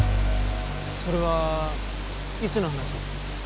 それはいつの話です？